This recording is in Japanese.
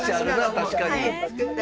確かに。